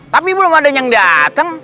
tapi belum ada yang datang